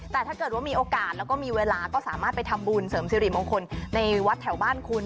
แต่ถ้าเกิดว่ามีโอกาสแล้วก็มีเวลาก็สามารถไปทำบุญเสริมสิริมงคลในวัดแถวบ้านคุณ